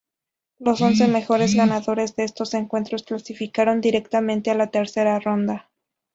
Los once mejores ganadores de estos encuentros clasificaron directamente a la tercera ronda.